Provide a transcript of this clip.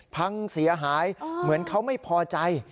พังเสียหายเหมือนเขาไม่พอใจ